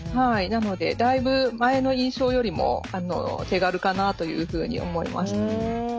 なのでだいぶ前の印象よりも手軽かなというふうに思います。